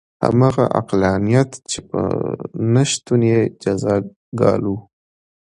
همغه عقلانیت چې په نه شتون یې جزا ګالو.